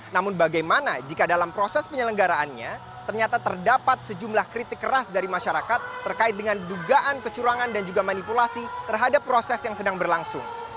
namun bagaimana jika dalam proses penyelenggaraannya ternyata terdapat sejumlah kritik keras dari masyarakat terkait dengan dugaan kecurangan dan juga manipulasi terhadap proses yang sedang berlangsung